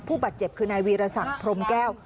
ผู้บาดเจ็บคือนายวีรศักดิ์พรมแก้ว